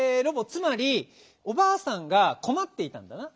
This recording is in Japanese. つまりおばあさんがこまっていたんだな？